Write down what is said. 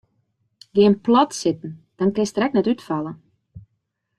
Gean plat sitten dan kinst der ek net útfalle.